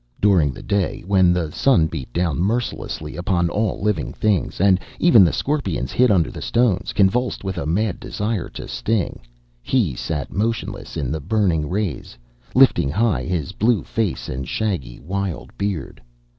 During the day, when the sun beat down mercilessly upon all living things, and even the scorpions hid under the stones, convulsed with a mad desire to sting, he sat motionless in the burning rays, lifting high his blue face and shaggy wild beard.